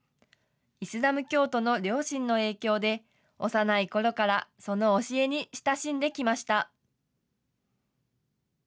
イスラム教徒の両親の影響で、幼いころからその教えに親しんできました。